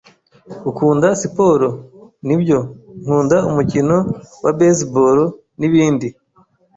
"Ukunda siporo?" "Nibyo, nkunda umukino wa baseball, n'ibindi."